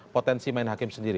potensi main hakim sendiri